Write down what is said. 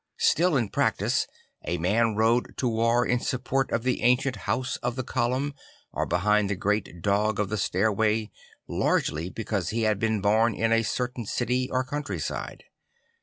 Still, in practice, a man rode to war in support of the ancient house of the Column or behind the Great Dog of the Stairway largely because he had been born in a certain city or countryside.